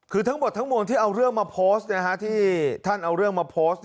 คือทั้งหมดทั้งมวลที่เอาเรื่องมาโพสต์ที่ท่านเอาเรื่องมาโพสต์